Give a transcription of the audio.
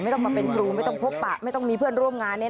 ต้องมาเป็นครูไม่ต้องพบปะไม่ต้องมีเพื่อนร่วมงาน